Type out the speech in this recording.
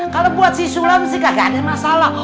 kalo buat sisulam sih gak ada masalah